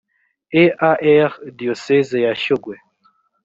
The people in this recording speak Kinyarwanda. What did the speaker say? e a r diyoseze ya shyogwe